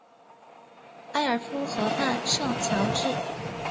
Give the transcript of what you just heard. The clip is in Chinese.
埃尔夫河畔圣乔治。